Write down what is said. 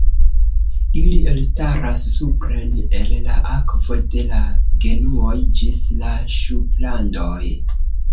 Ili elstaras supren el la akvo de la genuoj ĝis la ŝuplandoj.